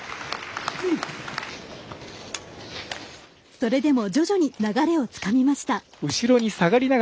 それでも徐々に流れをつかみました。